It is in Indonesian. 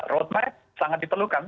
roadmap sangat diperlukan